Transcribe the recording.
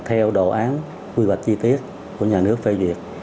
theo đồ án quy hoạch chi tiết của nhà nước phê duyệt